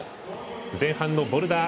前半のボルダー